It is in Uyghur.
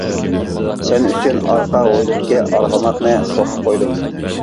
سەن ئۈچۈن ئارقا ھويلىدىكى ئارغىماقنى توقۇپ قويدۇم!